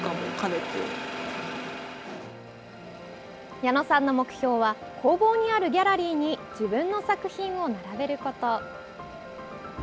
矢野さんの目標は工房にあるギャラリーに自分の作品を並べること。